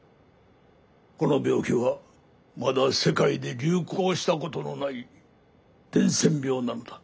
この病気はまだ世界で流行したことのない伝染病なのだ。